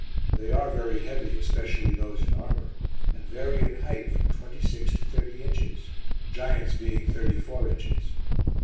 They are very heavy, especially those in armour, and vary in height from twenty six to thirty inches, giants being thirty four inches.